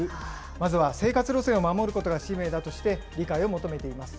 まずは生活路線を守ることが使命だとして、理解を求めています。